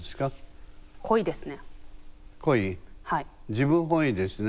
自分本位ですね。